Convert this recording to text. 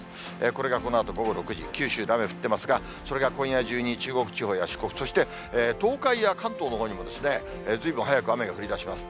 これがこのあと午後６時、九州で雨降ってますが、それが今夜中に中国地方や四国、そして東海や関東のほうにもずいぶん早く雨が降りだします。